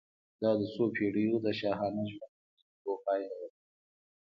دا د څو پېړیو د شاهانه ژوند د تجربو پایله وه.